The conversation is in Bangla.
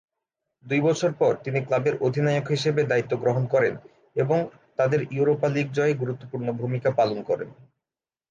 দুই বছর পর, তিনি ক্লাবের অধিনায়ক হিসেবে দায়িত্ব গ্রহণ করেন এবং তাদের ইউরোপা লীগ জয়ে গুরুত্বপূর্ণ ভুমিকা পালন করেন।